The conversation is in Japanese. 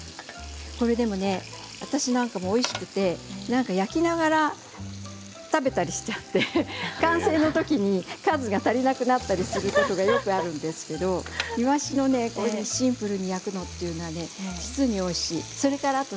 私なんかもおいしくて焼きながら食べたりしちゃうんで完成のときに数が足りなくなったりすることがよくあるんですけれどイワシのシンプルに焼くのは実に、おいしい。